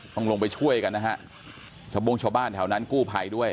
ต้องลงไปช่วยกันนะฮะชาวโบ้งชาวบ้านแถวนั้นกู้ภัยด้วย